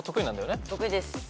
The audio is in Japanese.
得意です。